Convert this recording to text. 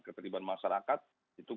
keterlibatan masyarakat itu